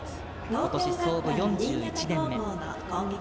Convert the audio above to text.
今年創部４１年目。